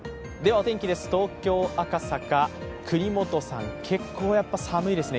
お天気です、東京・赤坂、今日も結構寒いですね。